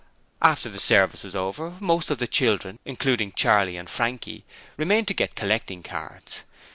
After the 'service' was over, most of the children, including Charley and Frankie, remained to get collecting cards.